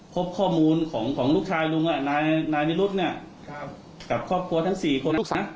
พบข้อมูลของลูกชายลุงนายนิรุธกับครอบครัวทั้ง๔คนลูกสาว